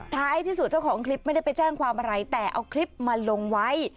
ท้ายที่สุดเจ้าของคลิปไม่ได้ไปแจ้งความอะไรแต่เอาคลิปมาลงไว้